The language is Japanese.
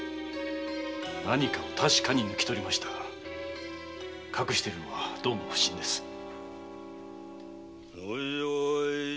何かを確かに抜き取りましたが隠しているのはどうも不審です。